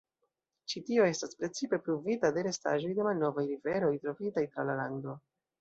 Ĉi tio estas precipe pruvita de restaĵoj de malnovaj riveroj trovitaj tra la lando.